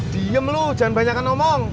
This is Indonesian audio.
diem lu jangan banyak ngomong